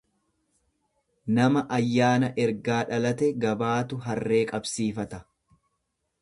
Nama ayyaana ergaa dhalate gabaatu harree qabsiifata.